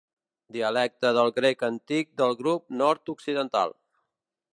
Dialecte del grec antic del grup nord-occidental.